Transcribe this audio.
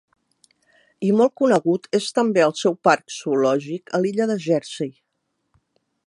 I molt conegut és també el seu parc zoològic a l'illa de Jersey.